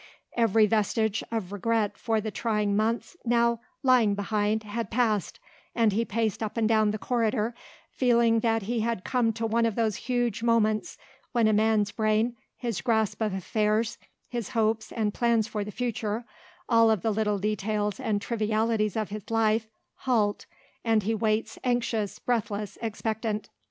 Every vestige of regret for the trying months now lying behind had passed, and he paced up and down the corridor feeling that he had come to one of those huge moments when a man's brain, his grasp of affairs, his hopes and plans for the future, all of the little details and trivialities of his life, halt, and he waits anxious, breathless, expectant.